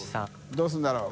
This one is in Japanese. どうするんだろう？